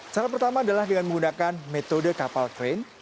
cara pertama adalah dengan menggunakan metode kapal crane